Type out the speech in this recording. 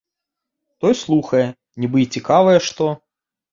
Той слухае, нібы й цікавае што.